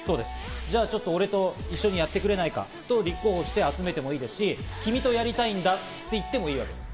じゃあ俺と一緒にやってくれないかと立候補して集めてもいいし、君とやりたいんだって言ってもいいんです。